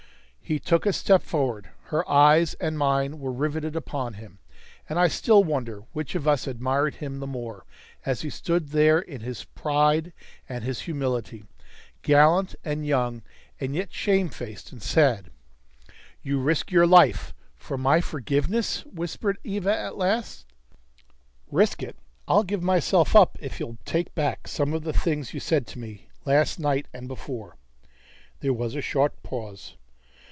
He took a step forward; her eyes and mine were riveted upon him; and I still wonder which of us admired him the more, as he stood there in his pride and his humility, gallant and young, and yet shamefaced and sad. "You risk your life for my forgiveness?" whispered Eva at last. "Risk it? I'll give myself up if you'll take back some of the things you said to me last night and before." There was a short pause.